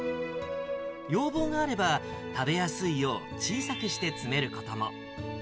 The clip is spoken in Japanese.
要望があれば、食べやすいよう、小さくして詰めることも。